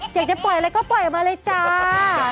อยากจะปล่อยอะไรก็ปล่อยออกมาเลยจ้า